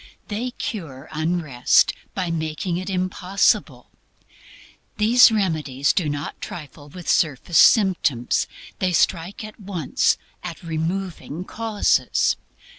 They cure unrest by making it impossible. These remedies do not trifle with surface symptoms; they strike at once at removing causes.